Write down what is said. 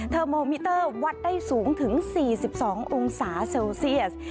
โมมิเตอร์วัดได้สูงถึง๔๒องศาเซลเซียส